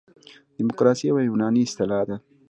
دموکراسي یوه یوناني اصطلاح ده.